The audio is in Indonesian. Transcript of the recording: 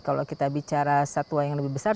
kalau kita bicara satwa yang lebih besar